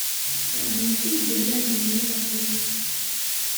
D nekk ay yellan din iḍelli.